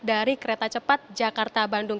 dari kereta cepat jakarta bandung